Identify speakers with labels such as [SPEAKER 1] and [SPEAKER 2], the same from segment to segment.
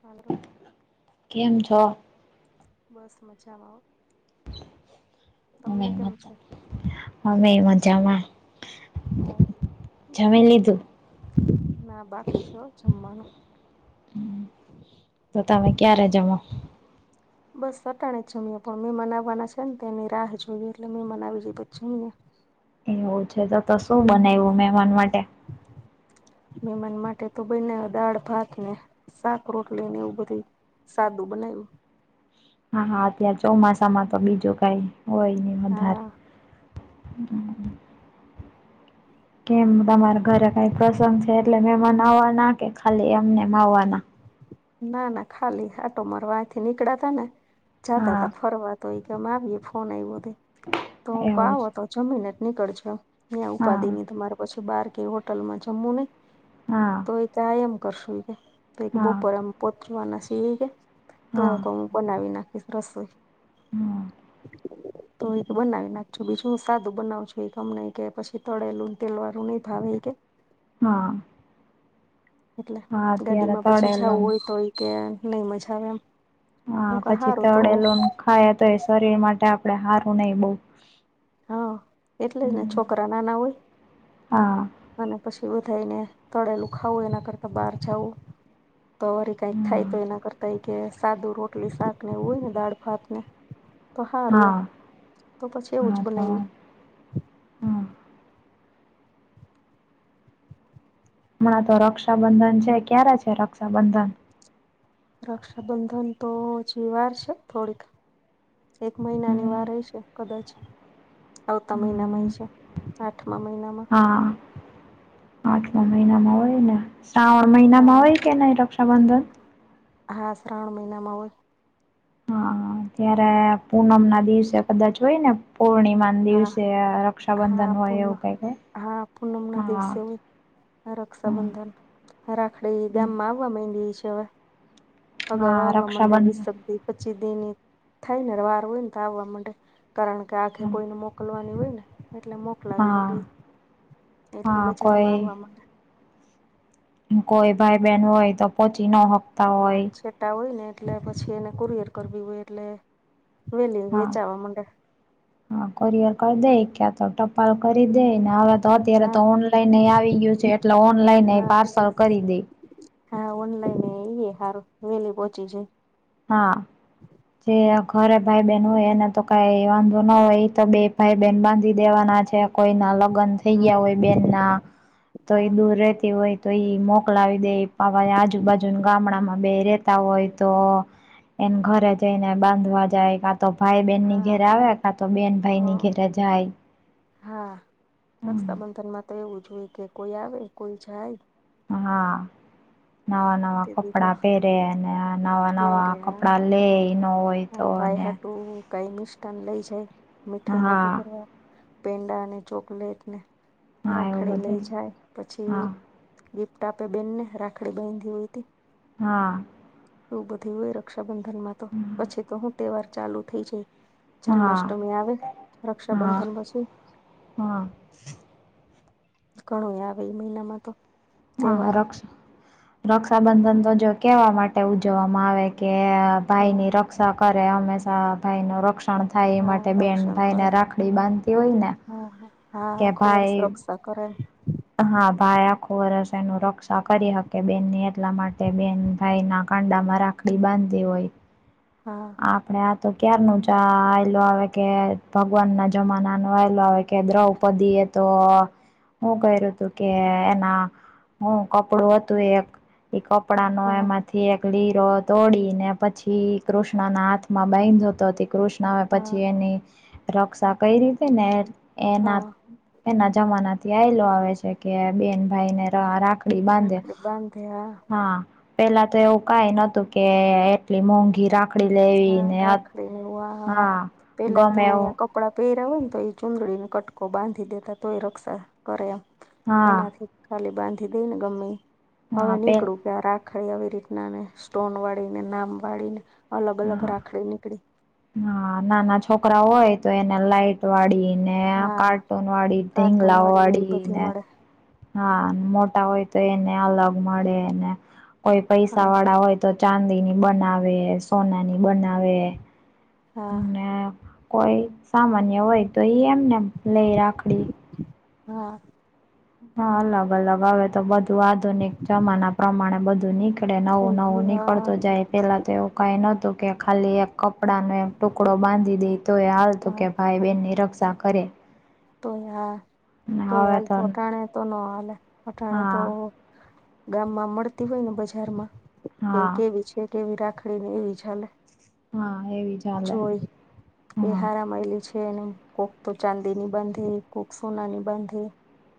[SPEAKER 1] હો
[SPEAKER 2] કેમ છો
[SPEAKER 1] બસ મજામા
[SPEAKER 2] અમે
[SPEAKER 1] કેમ
[SPEAKER 2] મજા
[SPEAKER 1] છે
[SPEAKER 2] અમે ય મજામાં
[SPEAKER 1] હા
[SPEAKER 2] જમી લીધું
[SPEAKER 1] ના બાકી છો જમવાનું [inaudible]
[SPEAKER 2] તો તમે ક્યારે જમો
[SPEAKER 1] બસ સટાણે જ જમ્યા પણ મેમાન આવવાના છે ને તેની રાહ જોઈએ એટલે મેમાન આવી પછી
[SPEAKER 2] એવું છે તો તો શું બનાવું મહેમાન માટે
[SPEAKER 1] [inaudible] [inaudible] [inaudible] મહેમાન માટે તો બનાવી યુ દાળ ભાત ને શાક રોટલી ને એવું બધું સાદું બનાવ્યું
[SPEAKER 2] હા હા ત્યાં ચોમાસામાં તો બીજું કઈ હોય નહી વધારે
[SPEAKER 1] હા
[SPEAKER 2] હમ કેમ તમારા ઘરે કઈ પ્રસંગ છે એટલે મેમાન આવવાના કે ખાલી એમને એમ આવવાના
[SPEAKER 1] ના ના ખાલી આટો મારવા અઈથી નીકળા તા ને જાતા
[SPEAKER 2] હા
[SPEAKER 1] તા ફરવા તો એ કેમ આવીએ ફોન આવ્યો તો હુંક
[SPEAKER 2] એવું
[SPEAKER 1] આવો
[SPEAKER 2] છે
[SPEAKER 1] તો જમીને જ નીકળજો ત્યાં
[SPEAKER 2] હા
[SPEAKER 1] ઉપાધિ ની તમારે પછી બાર કઈ હોટલમાં જમવું નઈ
[SPEAKER 2] હા
[SPEAKER 1] એમ કરશું કે તો એક
[SPEAKER 2] હા
[SPEAKER 1] બપોર અમ પોચવાના સી કે તો
[SPEAKER 2] હા
[SPEAKER 1] હ બનાવી નાખીશ રસોઈ
[SPEAKER 2] હા
[SPEAKER 1] તો ઈ કે બનાવી નાખજો બીજું હું સાદું બનાવજો ઈ કે અમને ઈ કે પછી તળેલું તેલ વાળું નહીં ભાવે કે
[SPEAKER 2] હા
[SPEAKER 1] એટલે
[SPEAKER 2] હા અત્યારે
[SPEAKER 1] ગાડીમાં પછી જવું
[SPEAKER 2] તળેલું
[SPEAKER 1] હોય તો હોય કે નહી મજા આવે એમને
[SPEAKER 2] હા
[SPEAKER 1] હું
[SPEAKER 2] પછી
[SPEAKER 1] કારું તો
[SPEAKER 2] તળેલું ખાય તો એ શરીર માટે આપણે હારું નહી
[SPEAKER 1] હા એટલે જ ને
[SPEAKER 2] હમ
[SPEAKER 1] છોકરા નાના હોય
[SPEAKER 2] હા
[SPEAKER 1] અને પછી બધાઈને તળેલું ખાવું એના કરતા બહાર જાવું તોવારી કઈક
[SPEAKER 2] હા
[SPEAKER 1] થાય તો એના કરતા કે સાદું રોટલી શાક ને એવું હોય ને દાળ ભાત ને તો સારું એ
[SPEAKER 2] હા
[SPEAKER 1] તો પછી એવું જ
[SPEAKER 2] હા તો
[SPEAKER 1] બનાવ્યું
[SPEAKER 2] હા હમણાં તો રક્ષાબંધન છે ક્યારે છે રક્ષાબંધન
[SPEAKER 1] રક્ષાબંધન તો હજી વાર છે ને થોડીક એક મહિનાની
[SPEAKER 2] હમ
[SPEAKER 1] વાર હઈશે કદાચ આવતા મહિનામાં એ
[SPEAKER 2] હમ.
[SPEAKER 1] છે આઠમા મહિનામાં
[SPEAKER 2] હા આઠમા મહિનામાં હોય ને શ્રાવણ મહિનામાં
[SPEAKER 1] હા
[SPEAKER 2] હોય કે નહી પ્રબંધન
[SPEAKER 1] હા શ્રાવણ મહિનામાં હો
[SPEAKER 2] હા ત્યારે પૂનમ ના દિવસે કદા જોય ને પૂર્ણિમા
[SPEAKER 1] હા
[SPEAKER 2] દિવસે
[SPEAKER 1] હા
[SPEAKER 2] રક્ષાબંધન હોય
[SPEAKER 1] પૂનમ
[SPEAKER 2] એવું કઈ કઈ હા
[SPEAKER 1] હ
[SPEAKER 2] હા
[SPEAKER 1] રક્ષાબંધન હ રાખડી
[SPEAKER 2] હમ.
[SPEAKER 1] ગામમાં આવવા માં છે હવે અગાઉ
[SPEAKER 2] હા,
[SPEAKER 1] આવવા માંડે
[SPEAKER 2] રક્ષાબંધન
[SPEAKER 1] વીસપ પચીસ દિ ની થાય ને વાર હોય ને તો આવવા માંડે કારણ કે આખે
[SPEAKER 2] હમ,
[SPEAKER 1] કોઈને મોકલવાની હોય ને એટલે મો મોલાવી
[SPEAKER 2] હા
[SPEAKER 1] ગઈ એટલે
[SPEAKER 2] હા
[SPEAKER 1] બજારમાં
[SPEAKER 2] કોઈ
[SPEAKER 1] આવવા માં
[SPEAKER 2] કોઈ ભાઈ બહેન હોય તો પોચી નક
[SPEAKER 1] હા છેટા હોય ને એટલે પછી એને કુરિયર કરવી હોય એટલે વેલી
[SPEAKER 2] હા
[SPEAKER 1] વેચાવા મડે
[SPEAKER 2] હા કોરિયર કરી દે ક્યા તો ટ પ્લ કરી દે ને હવે તો અત્યારે તો
[SPEAKER 1] હા
[SPEAKER 2] ઓનલાઈન આવી ગયું છે એટલે ઓનલાઈન પાર્સલ કરી દે
[SPEAKER 1] હા ઓનલાઈનઈએ સારું વેલી પહોંચી જ
[SPEAKER 2] હા જે ઘરે ભાઈ બહેન હોય એને તો કઈ વાંધો ન હોય એ તો બે ભાઈ બહેન બાંધી દેવાના છે કોઈ ના લગ્ન થઈ ગયા
[SPEAKER 1] હા
[SPEAKER 2] હોય બેન ના તોય
[SPEAKER 1] હા
[SPEAKER 2] દૂર રતી હોય તો એ મોકલાવી દેવા આજુબાજુના ગામડામાં બે રહેતા હોય તો એને ઘરે જઈને બાંધવા જાય તો ભાઈ બેહેનની
[SPEAKER 1] હા
[SPEAKER 2] ઘેરે આવે કા તો બેન ભાઈ ની
[SPEAKER 1] હ
[SPEAKER 2] ઘેરે જાય
[SPEAKER 1] હા રક્ષાબંધનમાં તો એવું જ હોય કે કોઈ આવે કોઈ જાય
[SPEAKER 2] હા નવા નવા
[SPEAKER 1] તે દી તો
[SPEAKER 2] કપડા પહેર્યા અને નવા નવા
[SPEAKER 1] પેરે હા
[SPEAKER 2] કપડા લે ન હોય
[SPEAKER 1] હા
[SPEAKER 2] તો
[SPEAKER 1] ભાઈ હાટું કઈ નિષઠાન લઈ જાય મીઠું મોઢું
[SPEAKER 2] હા
[SPEAKER 1] કરવા પેંડા અને ચોકલેટ ને
[SPEAKER 2] હા એવું
[SPEAKER 1] રાખડી લઈ
[SPEAKER 2] બધું
[SPEAKER 1] જાય પછી
[SPEAKER 2] હા
[SPEAKER 1] ગિફ્ટ આપે બેનને રાખડી બાંધી હોય હતી
[SPEAKER 2] હા
[SPEAKER 1] એું બધી હોય રક્ષાબંધન માં તો પછી તો હું તહેવાર ચાલુ થઇ જાય
[SPEAKER 2] હા
[SPEAKER 1] જન્માષ્ટમી આવે
[SPEAKER 2] હા
[SPEAKER 1] રક્ષાબંધન પછી
[SPEAKER 2] હા
[SPEAKER 1] ઘણું આવે એ મહિનામાં તો
[SPEAKER 2] હા ર
[SPEAKER 1] તહેવારો
[SPEAKER 2] રક્ષાબંધન તો જો કેવા માટે ઉજવવામાં આવે કે
[SPEAKER 1] હા
[SPEAKER 2] ભાઈની રક્ષા કરે હંમેશા ભાઈ નો રક્ષા રણ થાય એ
[SPEAKER 1] હા
[SPEAKER 2] માટે બેન
[SPEAKER 1] રક્ષણ કરે
[SPEAKER 2] ભાઈને રાખડી બાંધતી હોય ને
[SPEAKER 1] હા હા હા
[SPEAKER 2] કે
[SPEAKER 1] આખું વર્ષ
[SPEAKER 2] ભાઈ
[SPEAKER 1] રક્ષા કરે
[SPEAKER 2] હા ભાઈ આખું વર્ષ એનું રક્ષા કરી શકે બેનને એટલા માટે બેન ભાઈ ના કાંડામાં રાખ કકડી બાંધી હોય
[SPEAKER 1] હા
[SPEAKER 2] આપણે આ તો ક્યાર ન જ આવેલ આવે કે ભગવાન ના જમાના ન આવેલો આવે કે દ્રવ દીએ તો હું ક્યું તું કે એના હું કપડું હતું એક કપડાં નો
[SPEAKER 1] હા
[SPEAKER 2] એમાંથી એક લીરો દોડીને પછી કૃષ્ણ ના હાથમાં બેન જતો હતી કૃષ્ણ
[SPEAKER 1] હા
[SPEAKER 2] પછી એની રક્ષા કઈ રીતે ને એના
[SPEAKER 1] હા
[SPEAKER 2] એના જમાના થી આલો આવે છે કે બેન ભાઈ ને રાખ બાંધ્યા
[SPEAKER 1] રાખડી બાંધે
[SPEAKER 2] હા પેલા તો એવું કઈ નતું કે એટલી મોંઘી રાખડી લેવી
[SPEAKER 1] હા
[SPEAKER 2] ને
[SPEAKER 1] રાખડીને
[SPEAKER 2] હા
[SPEAKER 1] પેલા તો
[SPEAKER 2] ગમે એવું
[SPEAKER 1] અહિયાં કપ કપડાં પહેર્યા હોય ને તો એ ચુંદડીને કટકો બાંધી દેતા તો એ રક્ષા કરેમ
[SPEAKER 2] હા
[SPEAKER 1] એનાથી ખાલી બાંધી દઈ ને ગમેી
[SPEAKER 2] હા
[SPEAKER 1] હવે
[SPEAKER 2] પે
[SPEAKER 1] નીકળું ત્યાં રાખડી આવી રીતના ને સ્ટોન વાળી, ને નામ વાળી, ને અલગ-અલગ
[SPEAKER 2] હા
[SPEAKER 1] રાખડી નીકળી
[SPEAKER 2] હા, નાના છોકરા હોય તો એને લાઈટ વાળીને,
[SPEAKER 1] હા
[SPEAKER 2] કાર્ટૂન વાળી,
[SPEAKER 1] કાર્ટૂન
[SPEAKER 2] ડીંગલાઓ
[SPEAKER 1] ને એવી
[SPEAKER 2] વાળી
[SPEAKER 1] બધી
[SPEAKER 2] ને
[SPEAKER 1] મળે
[SPEAKER 2] હા, મોટા હોય તો એને અલગ મળે ને કોઈ પૈસા
[SPEAKER 1] હા
[SPEAKER 2] વાળા હોય તો ચાંદીની બનાવે, સોનાની બનાવે
[SPEAKER 1] હા.
[SPEAKER 2] ને કોઈ સામાન્ય હોય, તો એ એમને લઈ રાખડી
[SPEAKER 1] હા.
[SPEAKER 2] હા, અલગ-અલગ આવે તો બધા આધુનિક જમાના પ્રમાણે બધું નીકળે
[SPEAKER 1] થઈ
[SPEAKER 2] નવું-નવું
[SPEAKER 1] ગયું હા
[SPEAKER 2] નીકળતું જાય. પેલા તો એવું કઈ ન હતું કે ખાલી એક કપડાનો એક ટુકડો બાંધી દે તો એ હાલતું
[SPEAKER 1] હા
[SPEAKER 2] કે ભાઈ બેનની રક્ષા કરે.
[SPEAKER 1] તો હ તોય હાલ તો હટાણે તો નો હાલ હટાણે તો
[SPEAKER 2] હા
[SPEAKER 1] ગામમાં મળતી હોય ને બજારમાં કે
[SPEAKER 2] હા
[SPEAKER 1] કેવી છે. કેવી રાખડી ને એવી ચાલે
[SPEAKER 2] હા, એવી ચાલે.
[SPEAKER 1] એ
[SPEAKER 2] હા
[SPEAKER 1] હારમાયલી છે એને કોય તો ચાંદીની બાંધે, કોય સોનાની બાંધે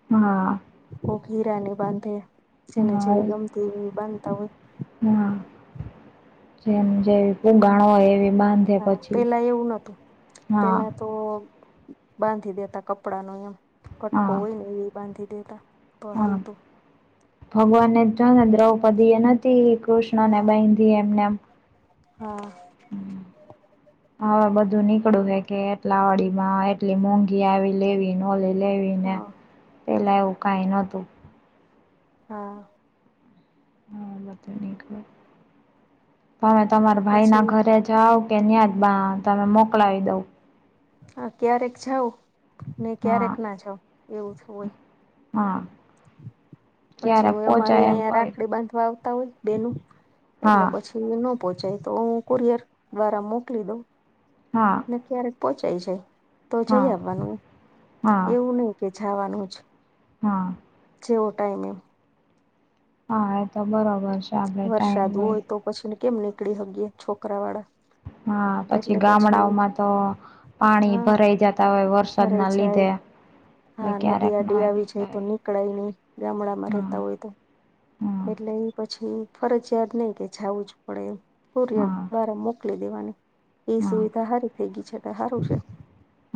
[SPEAKER 2] હા.
[SPEAKER 1] કોઈ હીરાની બાંધે જેને
[SPEAKER 2] હા
[SPEAKER 1] જેવી ગમતી એવી બાંધતા હોય.
[SPEAKER 2] હા, જેમ જેવી ઉગાણો હોય એવી બાંધ
[SPEAKER 1] હા, પેલા એવું નહતું પેલા તો બાંધી દેતા કપડાનો એમ કટકો
[SPEAKER 2] હા
[SPEAKER 1] હોય ને એ. બાંધી દેતા, તો હાલ
[SPEAKER 2] હા
[SPEAKER 1] ત
[SPEAKER 2] ભગવાનને દ્રૌપદીએ નથી કૃષ્ણને
[SPEAKER 1] હા
[SPEAKER 2] બી એમને
[SPEAKER 1] હા.
[SPEAKER 2] હવે, બધું નીકળતું છે કે એટલા વાડીમાં એટલી મોંઘી આવી લેવીનું હોલી લેવી ને
[SPEAKER 1] હા
[SPEAKER 2] પેલા એવું કઈ ન હતું.
[SPEAKER 1] હા.
[SPEAKER 2] હા, હવે તમે તમાર
[SPEAKER 1] પછી
[SPEAKER 2] ભાઈના ઘરે જ [unintelligible] કે ન્યાદ બા તમે મોકલાવી દઉ.?
[SPEAKER 1] હા, ક્યારેક જાવ, ને
[SPEAKER 2] હા
[SPEAKER 1] ક્યારેક ના જાવ એવું જ હોય.
[SPEAKER 2] હા.
[SPEAKER 1] પછી
[SPEAKER 2] ક્યારેક
[SPEAKER 1] હું અમારે
[SPEAKER 2] પોચાય એમ
[SPEAKER 1] અહીંયા
[SPEAKER 2] હોય
[SPEAKER 1] રાખડી બાંધવા હોય બેનું
[SPEAKER 2] હા
[SPEAKER 1] એટલે પછી ન પહોંચાય તો હું કુરિયર દ્વારા મોકલી દઉં.
[SPEAKER 2] હા.
[SPEAKER 1] ને ક્યારેક પોહચાય જાય તો જઈ
[SPEAKER 2] હા
[SPEAKER 1] આવવાનું
[SPEAKER 2] હા
[SPEAKER 1] એવું નહી કે જવાનું જ.
[SPEAKER 2] હા.
[SPEAKER 1] છેવ ટાઈમ એમ
[SPEAKER 2] હા, એ તો બરોબર છે. આપડે ટાઈમ
[SPEAKER 1] વરસાદ હોય તો પછી કેમ નીકળી શકે છોકરા વાળા.?
[SPEAKER 2] હા, પછી ગામડાઓમાં તો પાણી ભરાઈ જતા હોય વરસા
[SPEAKER 1] ભરાઈ જાય હા, નદી
[SPEAKER 2] ક્યારેક
[SPEAKER 1] આડી
[SPEAKER 2] નઈ
[SPEAKER 1] આવી જાય તો નીકળાય નહી ગામડામાં
[SPEAKER 2] હા
[SPEAKER 1] રહેતા હોય તો.
[SPEAKER 2] હા
[SPEAKER 1] એટલે એ પછી ફરજિયાત નઈ કે જવું જ પડે એમ. કુરિયર
[SPEAKER 2] હા
[SPEAKER 1] દ્વારા મોકલી દેવાની એ
[SPEAKER 2] હા
[SPEAKER 1] સુવિધા સારી થઈ ગઈ છે, સારું છે.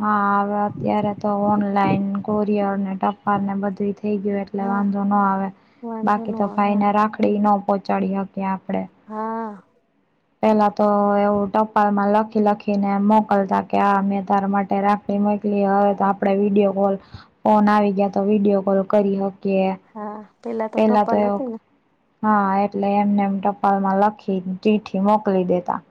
[SPEAKER 2] હા, હવે અત્યારે તો ઓનલાઈન, કુરિયર, ને ટપાલ ને બધું થઇ ગયું. એટલે
[SPEAKER 1] હા
[SPEAKER 2] વાંધો ના આવે,
[SPEAKER 1] વાંધો ન
[SPEAKER 2] બાકી તો
[SPEAKER 1] આવે
[SPEAKER 2] ભાઈને રાખડી ન પહોંચાડી શકી આપણે.
[SPEAKER 1] હા.
[SPEAKER 2] પેલા તો એવું ટપાલમાં લખી-લખી ને મોકલતા કે આ મેં તારા માટે રાખ રાખડી મોકલી હવે, તો આપણે વિડીયો કોલ ફોન આવી ગયા તો વિડીયો કોલ કરી શકીએ.
[SPEAKER 1] હા પેલા તો ટપાલ હતી ને?
[SPEAKER 2] હા એટલે એમને એમ ટપાલ માં લખી ચીઠી મોકલી દેતા.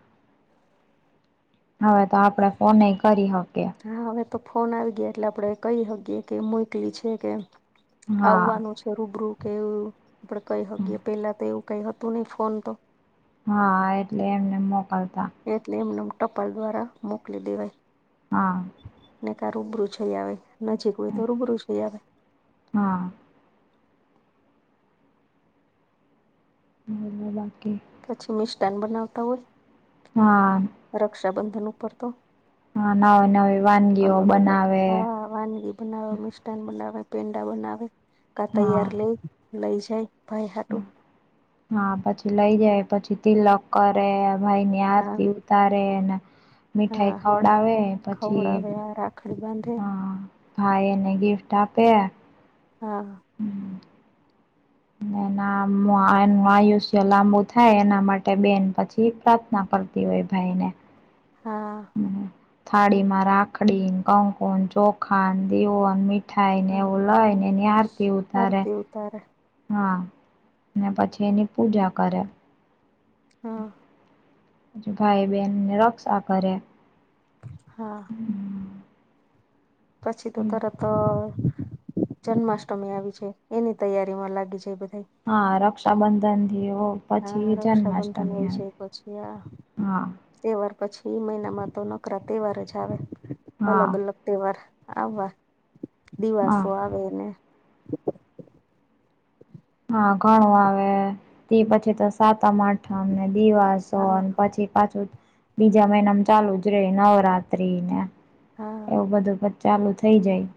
[SPEAKER 2] હવે તો આપડે ફોન ન કરી શકીએ.
[SPEAKER 1] હા હવે તો ફોન આવી ગયા એટલે આપણે કઈ શકીએ કે મોકલી છે કે?
[SPEAKER 2] હા
[SPEAKER 1] આવવાનું છે. રૂબરૂું કે એવું આપડે કઈ હકીએ પેલા તો એવું કઈ હતું નહિ ફોન તો
[SPEAKER 2] હા એટલે એમને મોકલતા.
[SPEAKER 1] એટલી એમને ટપાલ દ્વારા મોકલી દેવાય.
[SPEAKER 2] હા
[SPEAKER 1] ને કાર રૂબરૂું થઈ આવે નજીક હોય તો રૂબરૂ થઈ આવે.
[SPEAKER 2] હા બ બાકી?
[SPEAKER 1] પછી મિષ્ઠાન બનાવતા હોય.
[SPEAKER 2] હા
[SPEAKER 1] રક્ષાબંધન ઉપર તો
[SPEAKER 2] હ નવી નવી વાનગીઓ
[SPEAKER 1] અલગ અલગ
[SPEAKER 2] બનાવે.
[SPEAKER 1] હા વાનગી બનાવે મિષ્ઠાન બનાવે પેંડા બનાવે કા
[SPEAKER 2] હા
[SPEAKER 1] તૈયાર લઈ લઈ જાય. ભાઈ સારું.
[SPEAKER 2] હા પછી લઈ જાય પછી તિલક કરે ભાઈ ની
[SPEAKER 1] હા
[SPEAKER 2] આરતી ઉતારે ને
[SPEAKER 1] હા
[SPEAKER 2] મીઠાઈ ખવડાવે પછી
[SPEAKER 1] ખવડાવે આ રાખડી બાંધે
[SPEAKER 2] હા ભાઈ એને ગિફ્ટ આપે.
[SPEAKER 1] હા
[SPEAKER 2] હમ! એના એનું આયુષ્ય લાંબુ થાય એના માટે બેન પછી પ્રાર્થના કર એવી ભાઈને
[SPEAKER 1] હા,
[SPEAKER 2] થાળીમાં રાખડી, કંકુ અને ચોખા દિવો અને મી થાય ને
[SPEAKER 1] હા
[SPEAKER 2] એવું લઈ ને નિહારતી ઉતારે
[SPEAKER 1] આરતી ઉતારે
[SPEAKER 2] હા ને પછી એની પૂજા કરે
[SPEAKER 1] હા
[SPEAKER 2] ભાઈ બહેન ની રક્ષા કરે
[SPEAKER 1] હા પછી તો તરતર જન્માષ્ટમી આવી છે એની તૈયારીમાં લાગી જાય બધા
[SPEAKER 2] હા રક્ષાબંધનથી પછી જન્માષ્ટમી આવે
[SPEAKER 1] હ
[SPEAKER 2] હા
[SPEAKER 1] તહેવાર પછી એ મહિનામાં તો નકરા તહેવાર જ આવે
[SPEAKER 2] હા
[SPEAKER 1] અલગ અલગ તહેવાર આવા દિવાસો
[SPEAKER 2] હા
[SPEAKER 1] આવે ને
[SPEAKER 2] હા ઘણું આવે તે પછી તો સાતમ આઠમને દિવાસો
[SPEAKER 1] હા
[SPEAKER 2] અને પછી પાછું બીજા મહિનામ ચાલુ જ રે નવરાત્રી ને
[SPEAKER 1] હા
[SPEAKER 2] એવું બધું ચાલુ થઈ જાય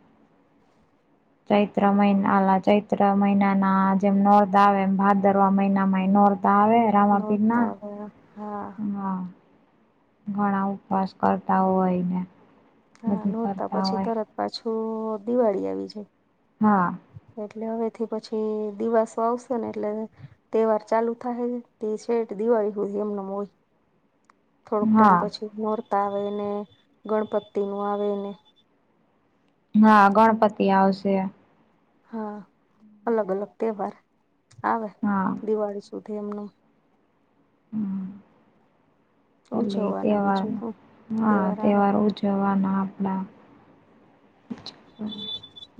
[SPEAKER 2] ચૈત્ર મહિનાલા ચૈત્ર મહિના ના જેમ નૌરતા આવે એમ ભાદરવા મહિનામાં નોર્ તાવે એરામાં
[SPEAKER 1] નોરતા આવ્યા હા
[SPEAKER 2] આપના હ ઘણા ઉપવાસ કરતા હોય ને
[SPEAKER 1] હા
[SPEAKER 2] બધું
[SPEAKER 1] નોરતા
[SPEAKER 2] કરતા
[SPEAKER 1] પછી
[SPEAKER 2] હોય
[SPEAKER 1] તરત પાછું દિવાળી આવી જાય
[SPEAKER 2] હા
[SPEAKER 1] એટલે હવેથી પછી દિવાસો આવશે ને એટલે તહેવાર ચાલુ થાય તે શેઠ દિવાળી હો એમને હોય થોડોક ટાઈમ
[SPEAKER 2] હા
[SPEAKER 1] પછી નૌરતા આવેને ગણપતિ નું આવે ને
[SPEAKER 2] હા ગણપતિ આવશે.
[SPEAKER 1] હા અલગ અલગ તહેવાર આવે.
[SPEAKER 2] હા.
[SPEAKER 1] દિવાળી સુધી એમનું
[SPEAKER 2] હમ એલે
[SPEAKER 1] ઉજવવાના
[SPEAKER 2] તહેવાર
[SPEAKER 1] બીજું શું
[SPEAKER 2] હા તહેવાર ઉ જવાના આપ આપણા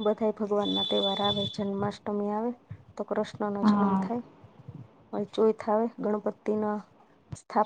[SPEAKER 1] બધા ભગવાન ના તહેવાર આવે જન્માષ્ટમી આવે તો કૃષ્ણ ન જન્મ
[SPEAKER 2] હા
[SPEAKER 1] થાય ચોઈ થ આવે ગણપતિ ના સ્થાપ